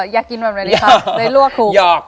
อยากกินแบบนี้ครับได้ลวกถูก